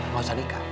gak usah nikah